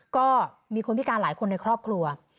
ก็มีคนพิการหลายคนในครอบครัว